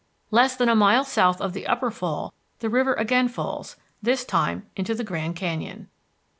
Less than a mile south of the Upper Fall, the river again falls, this time into the Grand Canyon.